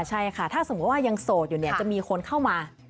ใช่ค่ะถ้าสมมุติว่ายังโสดอยู่เนี่ยจะมีคนเข้ามา